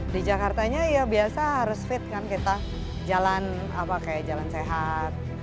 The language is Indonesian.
di jakartanya ya biasa harus fit kan kita jalan sehat